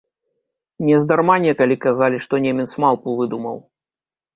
Нездарма некалі казалі, што немец малпу выдумаў.